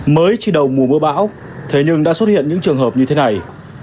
mới chỉ đầu mùa mưa bão thế nhưng đã xuất hiện những trường hợp như thế này